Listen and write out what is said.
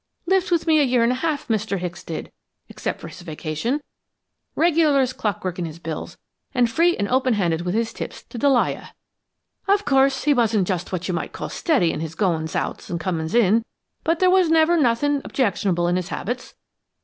Lived with me a year and a half, Mr. Hicks did, except for his vacation regular as clockwork in his bills, and free and open handed with his tips to Delia. Of course, he wasn't just what you might call steady in his goings out and comings in, but there never was nothin' objectionable in his habits.